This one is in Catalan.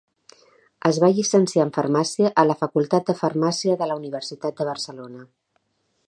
Es va llicenciar en Farmàcia a la Facultat de Farmàcia de la Universitat de Barcelona.